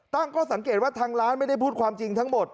ตั้งข้อสังเกตว่าทางร้านไม่ได้พูดความจริงทั้งหมด